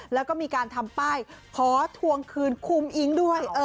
แล้วก็มีการทำป้ายขอทวงคืนคุมอิ๊งด้วย